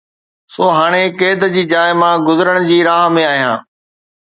سو هاڻي قيد جي جاءِ مان گذرڻ جي راهه ۾ آهيان